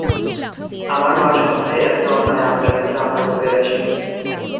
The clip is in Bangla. আমার মা সন্ধ্যায় একটা অন্যায় আবদার নিয়ে আমার ঘরে আসে।